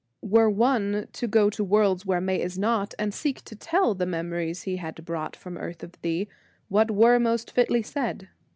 Were one to go to worlds where May is naught, And seek to tell the memories he had brought From earth of thee, what were most fitly said?